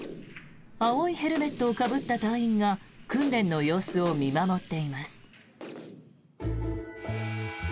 青いヘルメットをかぶった隊員が訓練の様子を見守っています。